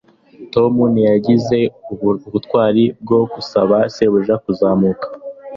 Tom ntiyagize ubutwari bwo gusaba shebuja kuzamurwa